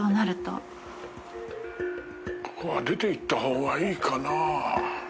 ここは出ていった方がいいかなぁ。